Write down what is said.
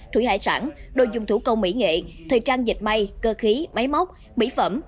thủy hải sản đồ dùng thủ công mỹ nghệ thời trang dịch may cơ khí máy móc mỹ phẩm